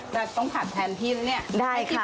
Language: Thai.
แต่ต้องผัดแทนทิศนี่ได้ค่ะ